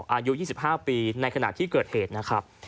อายุ๒๕ปีในขณะที่เกิดเหตุนะครับ